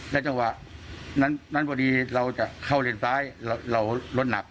จังหวะนั้นพอดีเราจะเข้าเลนซ้ายเรารถหนัก